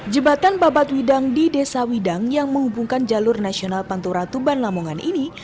jembatan babat widang di desa widang yang menghubungkan jalur nasional pantura tuban lamongan ini